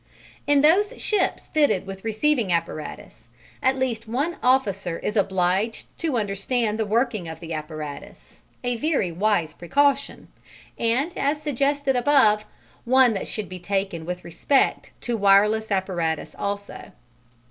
In those ships fitted with receiving apparatus, at least one officer is obliged to understand the working of the apparatus: a very wise precaution, and, as suggested above, one that should be taken with respect to wireless apparatus also.